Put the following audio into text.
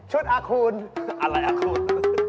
ชุดอาคูลอะไรอาคูล